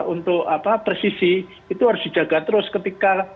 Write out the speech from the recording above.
untuk presisi itu harus dijaga terus ketika